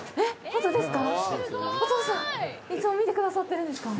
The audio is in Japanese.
お父さん、いつも見てくださってるんですか？